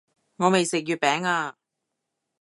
我未食月餅啊